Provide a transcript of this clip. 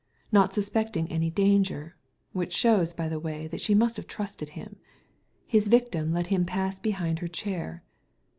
Not suspecting any danger — which shows, by the way, that she must have trusted him — his victim let him pass behind her chair.